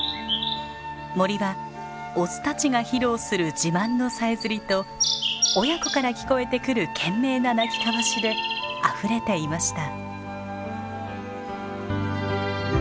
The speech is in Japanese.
森はオスたちが披露する自慢のさえずりと親子から聞こえてくる懸命な鳴き交わしであふれていました。